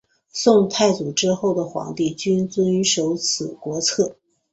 宋太祖之后的皇帝均遵守此国策。